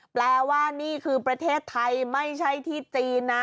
แปลว่านี่คือประเทศไทยไม่ใช่ที่จีนนะ